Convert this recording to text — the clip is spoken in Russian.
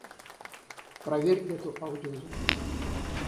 Проверь эту аудиозапись.